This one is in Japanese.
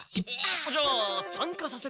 じゃあ参加させてほしい。